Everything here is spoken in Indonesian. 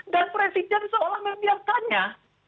dan presiden seolah membiarkannya